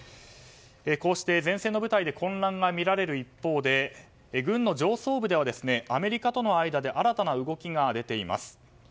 こうして前線の部隊で混乱が見られる一方で軍の上層部ではアメリカとの間で新たな動きが出ています。